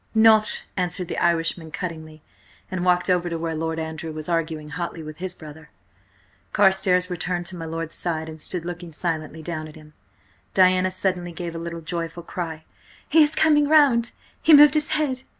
"Nought," answered the Irishman cuttingly, and walked over to where Lord Andrew was arguing hotly with his brother. Carstares returned to my lord's side and stood looking silently down at him. Diana suddenly gave a little joyful cry. "He is coming round! He moved his head!